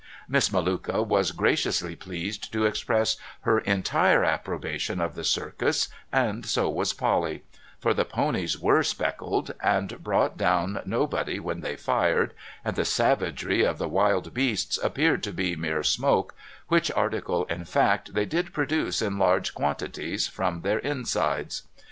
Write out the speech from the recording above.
Miss Melluka was graciously pleased to express her entire approbation of the Circus, and so was Polly ; for the ponies were speckled, and brought down nobody when they fired, and the savagery of the wild beasts appeared to be mere smoke — which article, in fact, they did produce in large quantities from their insides.